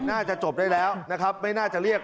น่าจะจบได้แล้วนะครับไม่น่าจะเรียก